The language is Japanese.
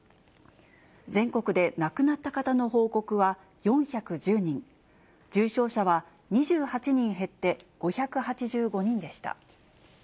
全国で亡くなった方の報告は４１０人、重症者は２８人減って５８５人でした。